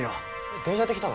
電車で来たの？